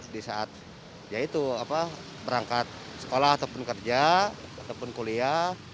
di saat ya itu berangkat sekolah ataupun kerja ataupun kuliah